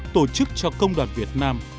tổ chức cho công đoàn việt nam